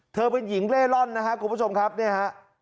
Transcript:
เป็นหญิงเล่ร่อนนะครับคุณผู้ชมครับเนี่ยฮะ